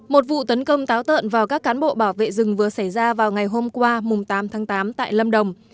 một vụ tấn công táo tợn vào các cán bộ bảo vệ rừng vừa xảy ra vào ngày hôm qua tám tháng tám tại lâm đồng